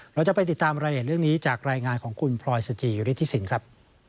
เราจะไปติดตามรายละเอียดเรื่องนี้จากรายงานของคุณพลอยสจิฤทธิสินครับ